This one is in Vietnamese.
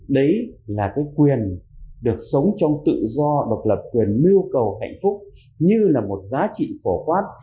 đấy là cái quyền được sống trong tự do độc lập quyền mưu cầu hạnh phúc như là một giá trị phổ quát